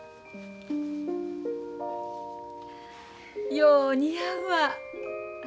よう似合うわ。